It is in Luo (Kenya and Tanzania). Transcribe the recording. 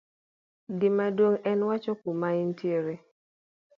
gimaduong' en wacho kuma intiere